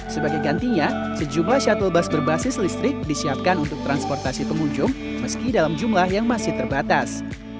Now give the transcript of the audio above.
sebagai gantinya sejumlah shuttle bus berbasis listrik disiapkan untuk transportasi pengunjung meski dalam jumlah yang masih terbatas